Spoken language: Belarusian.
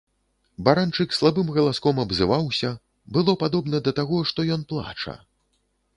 Баранчык слабым галаском абзываўся, было падобна да таго, што ён плача.